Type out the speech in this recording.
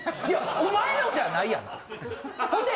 いやお前のじゃないやんと。